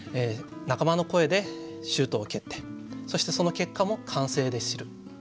仲間の声でシュートを蹴ってそしてその結果も歓声で知る。